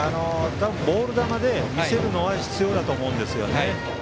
ボール球で見せるのは必要だと思うんですよね。